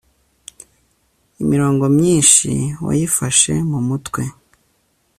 imirongo myinshi wayifashe mu mutwe